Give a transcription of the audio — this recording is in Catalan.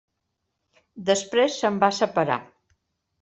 Després se'n va separar.